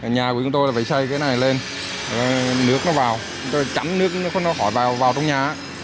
nhà của chúng tôi là phải xây cái này lên nước nó vào chấm nước nó khỏi vào trong nhà